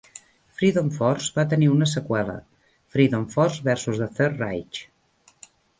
"Freedom Force" va tenir una seqüela, "Freedom Force versus the Third Reich".